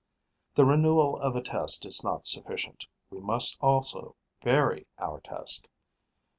The renewal of a test is not sufficient: we must also vary our test.